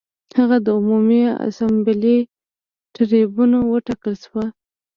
هغه د عمومي اسامبلې ټربیون وټاکل شو